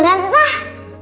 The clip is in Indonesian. aku seneng banget